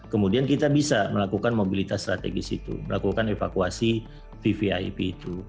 kemudian kita bisa melakukan mobilitas strategis itu melakukan evakuasi vvip itu